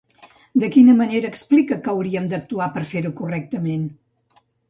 De quina manera explica que haurien d'actuar per fer-ho correctament?